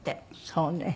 そうね。